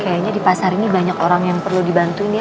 kayaknya di pasar ini banyak orang yang perlu dibantuin ya